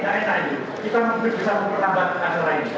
kita bisa memperlambat asal lain